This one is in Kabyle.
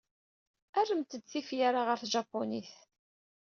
Rremt-d tifyar-a ɣer tjapunit.